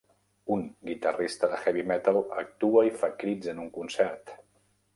Un guitarrista de heavy metal actua i fa crits en un concert